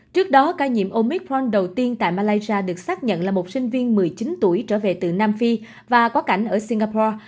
trước đó ca nhiễm omit von đầu tiên tại malaysia được xác nhận là một sinh viên một mươi chín tuổi trở về từ nam phi và quá cảnh ở singapore